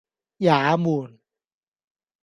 也門